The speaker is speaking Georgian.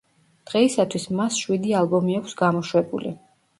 დღეისათვის მას შვიდი ალბომი აქვს გამოშვებული.